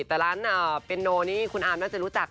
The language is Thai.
แต่ล้านเปียนโนของอาร์มน่าจะรู้จักนะครับ